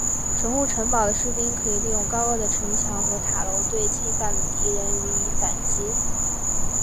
守护城堡的士兵可以利用高高的城墙和塔楼对进犯的敌人予以反击。